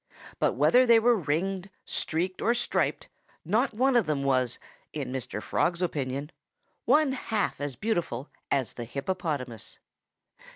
But whether they were ringed, streaked or striped, not one of them was in Mr. Frog's opinion one half as beautiful as the hippopotamus.